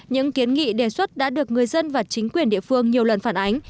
những kiến nghị đề xuất đã được người dân và chính quyền địa phương nhiều lần phản ánh